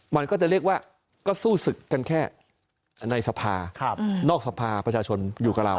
มันก็จะเรียกว่าก็สู้ศึกกันแค่ในสภานอกสภาประชาชนอยู่กับเรา